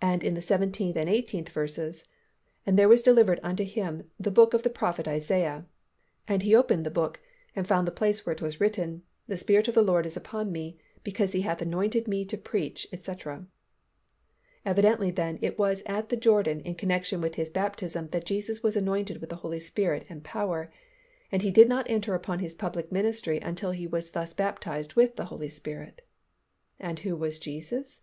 And in the seventeenth and eighteenth verses, "And there was delivered unto Him the book of the prophet Isaiah. And He opened the book, and found the place where it was written, The Spirit of the Lord is upon Me, because He hath anointed Me to preach, etc." Evidently then, it was at the Jordan in connection with His baptism that Jesus was anointed with the Holy Spirit and power, and He did not enter upon His public ministry until He was thus baptized with the Holy Spirit. And who was Jesus?